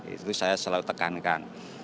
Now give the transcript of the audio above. itu saya selalu tekankan